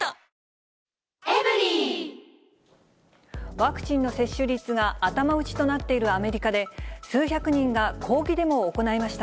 ワクチンの接種率が頭打ちとなっているアメリカで、数百人が抗議デモを行いました。